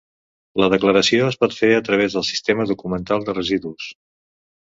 La declaració es pot fer a través del Sistema Documental de Residus.